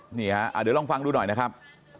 เดี๋ยวลองฟังดูหน่อยนะครับ